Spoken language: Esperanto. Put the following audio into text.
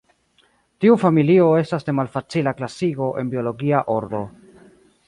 Tiu familio estas de malfacila klasigo en biologia ordo.